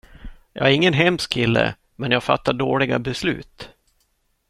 Jag är ingen hemsk kille, men jag fattar dåliga beslut.